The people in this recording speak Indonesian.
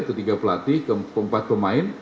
ketiga pelatih keempat pemain